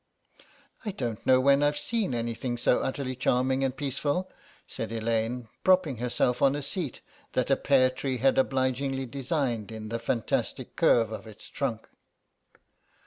"I don't know when I've seen anything so utterly charming and peaceful," said Elaine, propping herself on a seat that a pear tree had obligingly designed in the fantastic curve of its trunk.